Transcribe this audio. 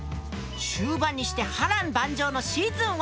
終盤にして波乱万丈のシーズン１。